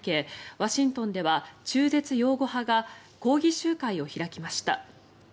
ワシントンでは、中絶擁護派が抗議集会を開きました。